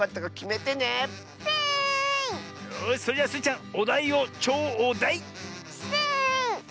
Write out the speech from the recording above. よしそれじゃスイちゃんおだいをちょう「だい」。スイ！